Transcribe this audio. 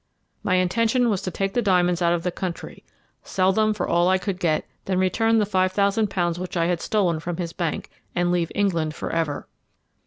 My intention was to take the diamonds out of the country, sell them for all that I could get, then return the five thousand pounds which I had stolen from his bank, and leave England for ever.